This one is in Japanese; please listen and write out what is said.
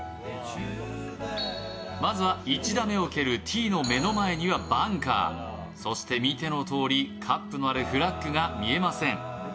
まずは１打目を蹴るＴの目の前にはバンカー、そして見てのとおり、カップのあるフラッグが見えません。